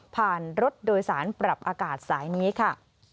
รถโดยสารปรับอากาศสายนี้ค่ะ